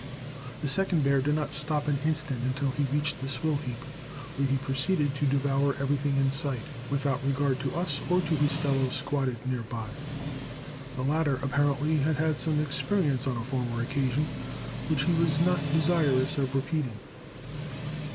The second bear did not stop an instant until he reached the swill heap, where he proceeded to devour everything in sight, without any regard to us or to his fellow squatted near by. The latter apparently had had some experience on a former occasion which he was not desirous of repeating.